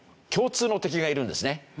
共通の敵がいるんですね